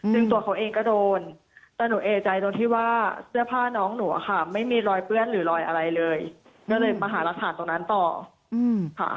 ซึ่งตัวเขาเองก็โดนแต่หนูเอใจตรงที่ว่าเสื้อผ้าน้องหนูอะค่ะไม่มีรอยเปื้อนหรือรอยอะไรเลยก็เลยมาหารักฐานตรงนั้นต่อค่ะ